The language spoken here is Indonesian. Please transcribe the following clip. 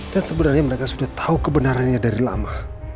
dan sebenarnya mereka sudah tahu kebenarannya dari lama